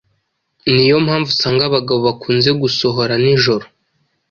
niyo mpamvu usanga abagabo bakunze gusohora nijoro,